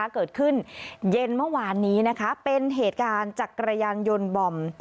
เกิดขึ้นเย็นเมื่อวานนี้นะคะเป็นเหตุการณ์จักรยานยนต์บอม